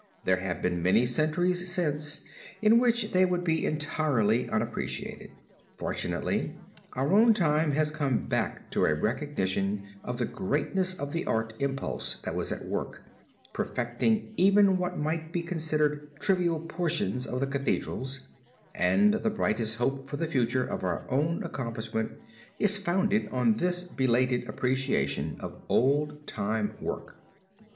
There have been many centuries since, in which they would be entirely unappreciated. Fortunately, our own time has come back to a recognition of the greatness of the art impulse that was at work, perfecting even what might be considered trivial portions of the cathedrals, and the brightest hope for the future of our own accomplishment is founded on this belated appreciation of old time work.